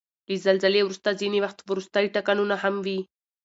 له زلزلې وروسته ځینې وخت وروستی ټکانونه هم وي.